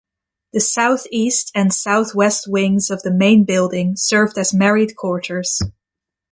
The south-east and south-west wings of the main building served as married quarters.